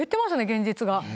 現実が。